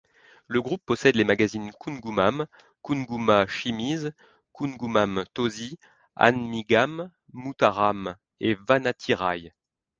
Le groupe possède les magazines Kungumam, Kumguma Chimizh, Kungumam Thozhi, Aanmigam, Mutharam et Vannathirai.